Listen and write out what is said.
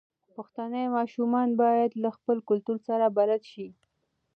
پښتني ماشومان بايد له خپل کلتور سره بلد شي.